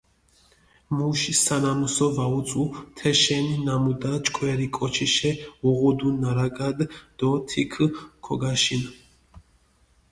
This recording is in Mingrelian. მუში სანამუსო ვაუწუ, თეშენი ნამუდა ჭკვერი კოჩიშე უღუდუ ნარაგადჷ დო თიქჷ ქოგაშინჷ.